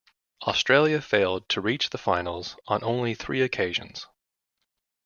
Australia failed to reach the finals on only three occasions.